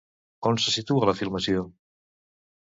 On se situa la filmació?